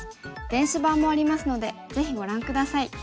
電子版もありますのでぜひご覧下さい。